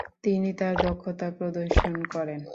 তিনি তার দক্ষতা প্রদর্শন করেন।